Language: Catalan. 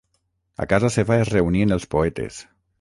A casa seva es reunien els poetes.